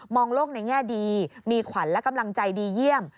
องโลกในแง่ดีมีขวัญและกำลังใจดีเยี่ยม